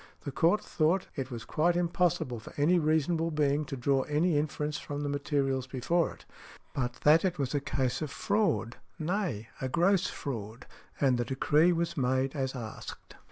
The Court thought that it was quite impossible for any reasonable being to draw any inference from the materials before it, but that it was a case of fraud—nay, a gross fraud, and the decree was made as asked .